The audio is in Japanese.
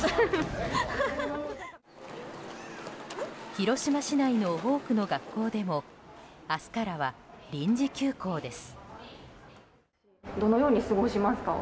広島市内の多くの学校でも明日からは臨時休校です。